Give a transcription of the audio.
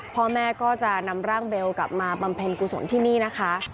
พ่อแม่ก็จะนำร่างเบลกลับมาบำเพ็ญกุศลที่นี่นะคะ